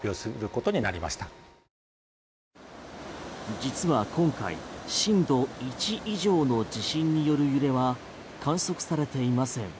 実は今回震度１以上の地震による揺れは観測されていません。